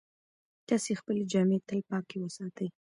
تاسې خپلې جامې تل پاکې وساتئ.